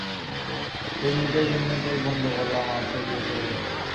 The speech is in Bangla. দুই মিনিটের জন্য চোখ বন্ধ করলাম আর সে বিয়ে করে নিল।